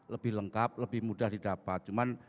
lebih lengkap lebih mudah didapat cuman